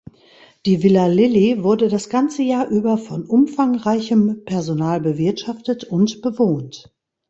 Die Villa Lilly wurde das ganze Jahr über von umfangreichem Personal bewirtschaftet und bewohnt.